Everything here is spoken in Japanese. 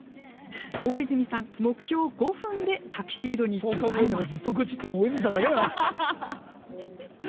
大泉さん、目標５分でタキシードに着替えます。